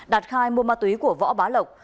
đạt khai mua ma túy của võ bá lộc